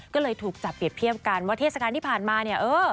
ก็เลยถูกจับเปรียบเทียบกันว่าเทศกาลที่ผ่านมาเนี่ยเออ